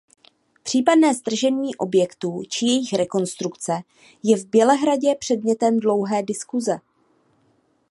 Případné stržení objektů či jejich rekonstrukce je v Bělehradě předmětem dlouhé diskuze.